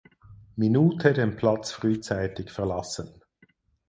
Minute den Platz frühzeitig verlassen.